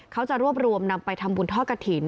เขาจะรวบรวมนำไปทำบุญทอดกระถิ่น